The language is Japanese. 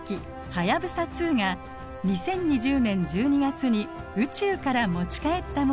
「はやぶさ２」が２０２０年１２月に宇宙から持ち帰ったものの一部です。